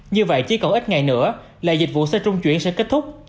như vậy chỉ còn ít ngày nữa là dịch vụ xe trung chuyển sẽ kết thúc